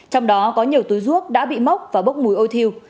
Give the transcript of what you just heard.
trong đó có nhiều túi ruốc đã bị mốc và bốc mùi ôi thiêu